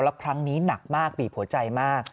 แล้วครั้งนี้หนักมากบีบหัวใจมาก